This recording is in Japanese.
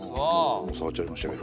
もう触っちゃいましたけど。